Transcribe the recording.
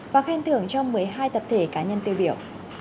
và khen thưởng cho một mươi hai tập thể cá nhân tiêu biểu